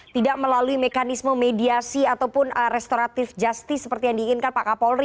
tidak melalui mekanisme mediasi ataupun restoratif justice seperti yang diinginkan pak kapolri